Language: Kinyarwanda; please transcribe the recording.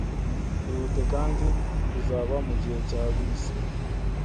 Ihute, kandi uzaba mugihe cya bisi